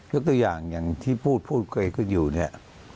ยกตัวอย่างอย่างที่พูดกัยขึ้นอยู่เนี่ย